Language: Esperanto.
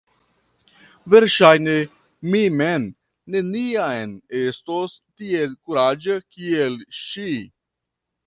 Verŝajne mi mem neniam estos tiel kuraĝa kiel ŝi.